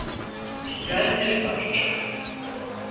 Güzel bir parça.